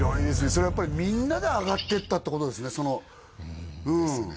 それはやっぱりみんなで上がってったってことですねうんですね